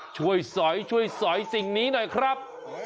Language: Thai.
ช่วยสอยสอนสิ่งนี้หน่อยครับ